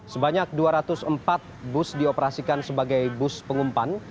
sebanyak dua ratus empat bus dioperasikan sebagai bus pengumpan